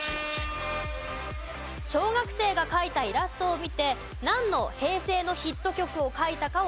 小学生が描いたイラストを見てなんの平成のヒット曲を描いたかをお答えください。